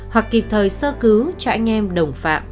hoặc kịp thời sơ cứu cho anh em đồng phạm